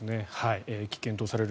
危険とされる